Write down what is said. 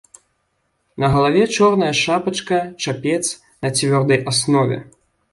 На галаве чорная шапачка-чапец на цвёрдай аснове.